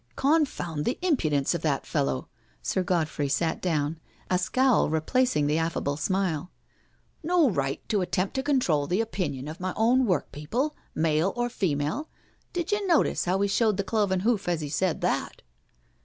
" Confound the impudence of the fellow!" Sir God frey sat down, a scowl replacing the affable smile. " No right to attempt to control the opinions of my own workpeople—male or female I Did you notice how he showed the cloven hoof as he said that?"